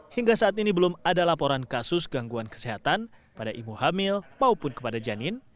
hingga saat ini belum ada laporan kasus gangguan kesehatan pada ibu hamil maupun kepada janin